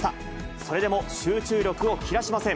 それでも集中力を切らしません。